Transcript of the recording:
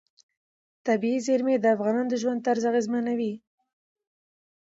طبیعي زیرمې د افغانانو د ژوند طرز اغېزمنوي.